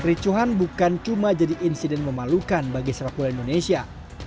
kericuhan bukan cuma jadi insiden memalukan bagi sepak bola indonesia